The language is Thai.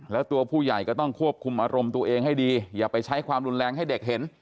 แล้วตัวผู้ใหญ่ก็ต้องควบคุมอารมณ์ตัวเองให้ดีอย่าไปใช้ความรุนแรงให้เด็กเห็น